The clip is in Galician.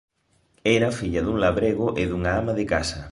Era filla dun labrego e dunha ama de casa.